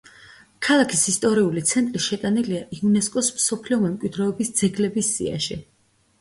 ქალაქის ისტორიული ცენტრი შეტანილია იუნესკოს მსოფლიო მემკვიდრეობის ძეგლების სიაში.